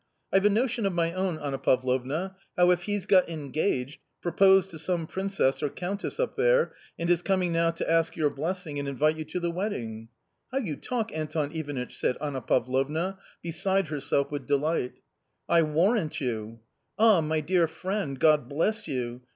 I've a notion of my own, Anna Pavlovna ; how if he's got engaged, proposed to some princess or countess up there, and is coming now to ask your blessing and invite you to the wedding ?"" How you talk, Anton Ivanitch !" said Anna Pavlovna, beside herself with delight. " I warrant you !"" Ah ! my dear friend, God bless you